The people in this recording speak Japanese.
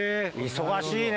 忙しいね。